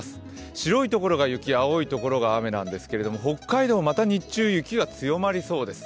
白い所が雪、青い所が雨なんですけれども、北海道、また日中雪が強まりそうです。